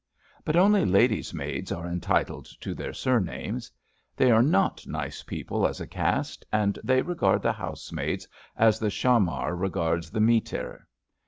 But only ladies' maids are entitled to their surnames. They are not nice people as a caste, and they regard the housemaids as the chamar regards the mehter.